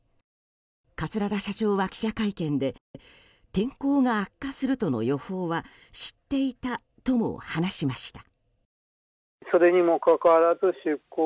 桂田社長は記者会見で天候が悪化するとの予報は知っていたとも話しました。